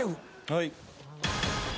はい。